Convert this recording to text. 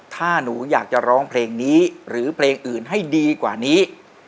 ถ้าหนูอยากจะร้องเพลงนี้หรือเพลงอื่นให้ดีกว่านี้